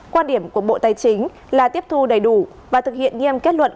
quan điểm của bộ tài chính là tiếp thu đầy đủ và thực hiện nghiêm kết luận